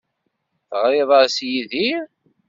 Teɣrid-as i Yidir?